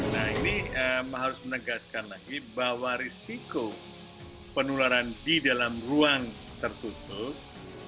nah ini harus menegaskan lagi bahwa risiko penularan di dalam ruang tertutup